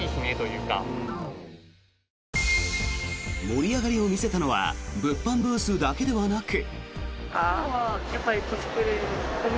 盛り上がりを見せたのは物販ブースだけではなく。